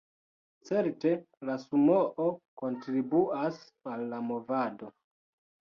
Certe la Sumoo kontribuas al la movado.